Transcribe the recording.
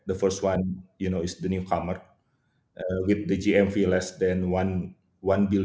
apa yang anda inginkan untuk membangun untuk smes di indonesia